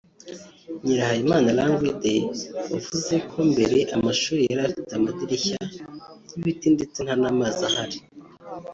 Nyirahabimana Languide wavuze ko mbere amashuri yari afite amadirishya y’ibiti ndetse nta n’amazi ahari